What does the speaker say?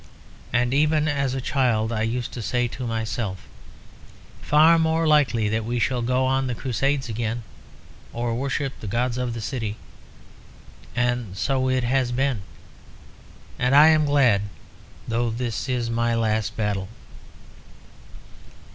And even as a child I used to say to myself, 'Far more likely that we shall go on the crusades again, or worship the gods of the city.' And so it has been. And I am glad, though this is my last battle."